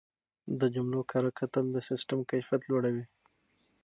د جملو کره کتل د سیسټم کیفیت لوړوي.